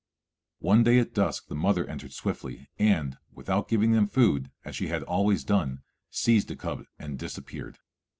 One day at dusk the mother entered swiftly and, without giving them food as she had always done, seized a cub and disappeared.